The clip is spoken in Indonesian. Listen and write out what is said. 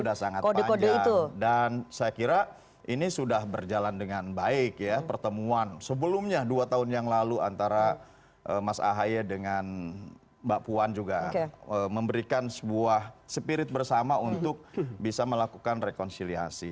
sudah sangat panjang dan saya kira ini sudah berjalan dengan baik ya pertemuan sebelumnya dua tahun yang lalu antara mas ahy dengan mbak puan juga memberikan sebuah spirit bersama untuk bisa melakukan rekonsiliasi